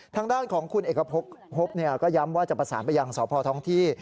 ทางด้านของคุณเอกพบก็ย้ำว่าจะประสานไปยังสพท้องที่